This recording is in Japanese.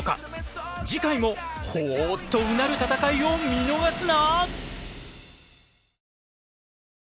次回もほぉとうなる戦いを見逃すな！